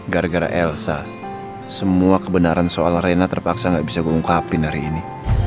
gara gara elsa semua kebenaran soal arena terpaksa nggak bisa gue ungkapin hari ini